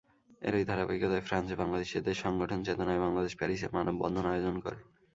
এরই ধারাবাহিকতায় ফ্রান্সে বাংলাদেশিদের সংগঠন চেতনায় বাংলাদেশ প্যারিসে মানববন্ধন আয়োজন করে।